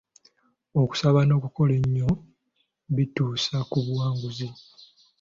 Okusaba n'okukola ennyo bituusa ku buwanguzi.